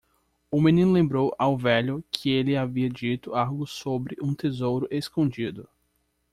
O menino lembrou ao velho que ele havia dito algo sobre um tesouro escondido.